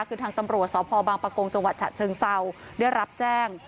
คือทางตำรวจสพบางประกงจังหวัดฉะเชิงเศร้าได้รับแจ้ง